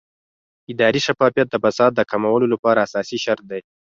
اداري شفافیت د فساد د کمولو لپاره اساسي شرط دی